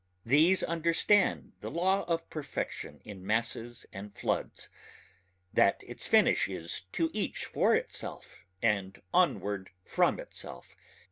These understand the law of perfection in masses and floods ... that its finish is to each for itself and onward from itself